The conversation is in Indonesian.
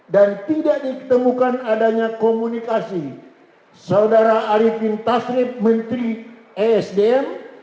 dan tidak ditemukan adanya komunikasi saudara arifin tasrib menteri esdm